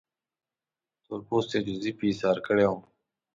تور پوستی جوزیف یې ایسار کړی وو.